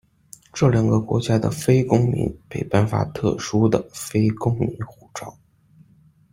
这两个国家的非公民被颁发特殊的非公民护照。